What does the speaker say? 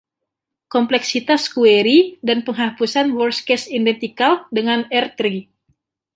Kompleksitas kueri dan penghapusan worst case identikal dengan R-tree.